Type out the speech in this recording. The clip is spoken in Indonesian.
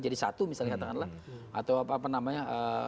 jadi satu misalnya katakanlah atau apa namanya